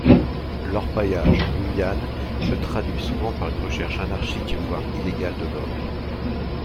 L'orpaillage en Guyane se traduit souvent par une recherche anarchique voire illégale de l'or.